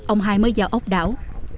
ông hai mới vào ốc đảo